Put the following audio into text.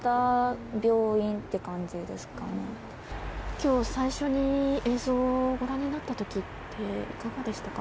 今日最初に映像をご覧になった時っていかがでしたか？